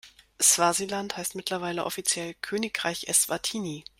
Swasiland heißt mittlerweile offiziell Königreich Eswatini.